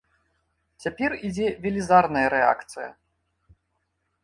Цяпер ідзе велізарная рэакцыя.